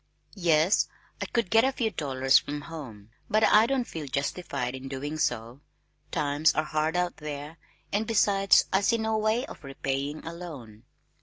"Yes, I could get a few dollars from home, but I don't feel justified in doing so, times are hard out there and besides I see no way of repaying a loan."